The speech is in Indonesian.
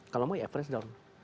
kalau mau ya press down